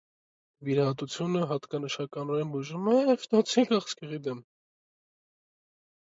Վիրահատությունը հատկանշանական բուժում է հեշտոցի քաղկեղի դեմ։